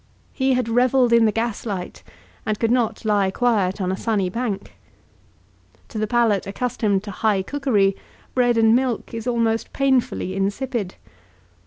He had revelled in the gas light, and could not lie quiet on a sunny bank. To the palate accustomed to high cookery, bread and milk is almost painfully insipid.